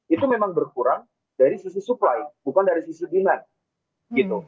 itu memang berkurang dari sisi supply bukan dari sisi demand gitu